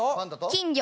金魚。